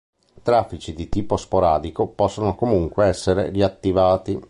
Traffici di tipo sporadico possono comunque essere riattivati.